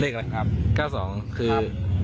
กระสองคือ